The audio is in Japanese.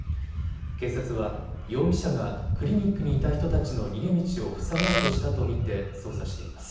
警察は容疑者が、クリニックにいた人たちの逃げ道を塞ごうとしたと見て捜査しています。